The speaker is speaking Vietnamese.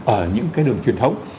ở những cái đường truyền thống